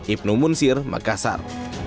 ibnu munsir makassar